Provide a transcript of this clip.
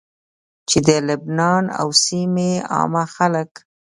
چې د لبنان او سيمي عامه خلک